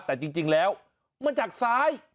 แต่จริงแล้วมันจากซ้าย